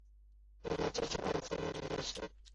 这是历来第二次在德国举行赛事。